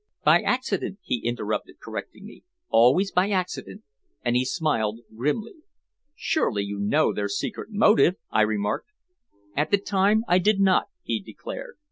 "By accident," he interrupted, correcting me. "Always by accident," and he smiled grimly. "Surely you know their secret motive?" I remarked. "At the time I did not," he declared.